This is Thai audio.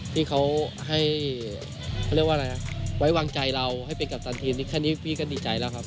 ที่เขาให้เขาเรียกว่าอะไรนะไว้วางใจเราให้เป็นกัปตันทีมแค่นี้พี่ก็ดีใจแล้วครับ